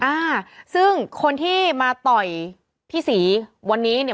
อ่าซึ่งคนที่มาต่อยพี่ศรีวันนี้เนี่ย